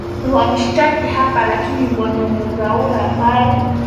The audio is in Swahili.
wamshtaki hapa lakini bwana muthaura ambaye